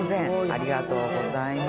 ありがとうございます。